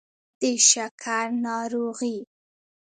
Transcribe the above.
د شکر ناروغي